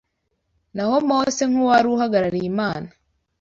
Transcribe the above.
Naho Mose, nk’uwari uhagarariye Imana,